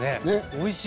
おいしい！